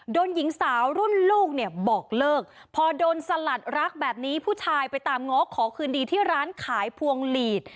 โดนหญิงสาวรุ่นลูกเนี่ยบอกเลิกพอโดนสลัดรักแบบนี้ผู้ชายไปตามง้อขอคืนดีที่ร้านขายพวงหลีด